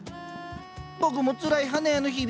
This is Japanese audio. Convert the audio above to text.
僕もつらい花屋の日々。